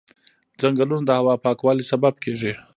ځنګلونه د هوا پاکوالي سبب کېږي.